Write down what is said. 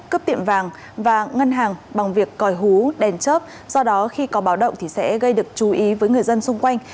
cướp tiệm vàng và ngân hàng bằng việc còi hú đèn chớp do đó khi có báo động thì sẽ gây được chú ý với người dân xung quanh